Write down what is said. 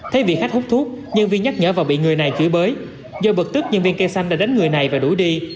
thấy vị khách hút thuốc nhân viên nhắc nhở vào bị người này chửi bới do bật tức nhân viên cây xăng đã đánh người này và đuổi đi